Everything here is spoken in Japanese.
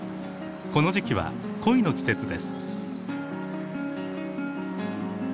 この時期は恋の季節です。